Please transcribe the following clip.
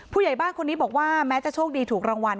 ผู้ใหญ่บ้านคนนี้บอกว่าแม้จะโชคดีถูกรางวัล